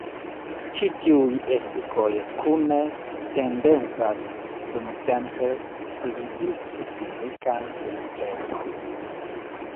Ĉi tiuj efikoj kune tendencas dumtempe pliigi fizikan efikecon.